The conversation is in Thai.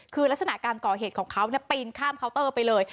คือลักษณะการก่อเหตุของเขาปีนข้ามเคาน์เตอร์ไปเลย